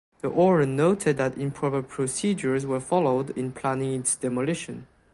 The order noted that improper procedures were followed in planning its demolition.